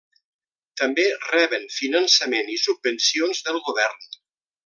També reben finançament i subvencions del govern.